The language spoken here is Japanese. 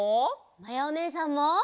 まやおねえさんも。